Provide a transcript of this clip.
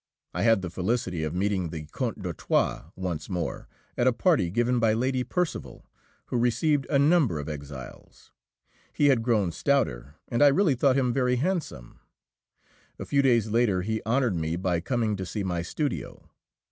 I had the felicity of meeting the Count d'Artois once more, at a party given by Lady Percival, who received a number of exiles. He had grown stouter, and I really thought him very handsome. A few days later he honoured me by coming to see my studio.